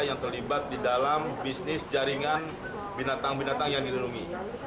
yang terlibat di dalam bisnis jaringan binatang binatang yang dilindungi